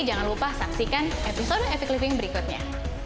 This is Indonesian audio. jangan lupa saksikan episode epic living berikutnya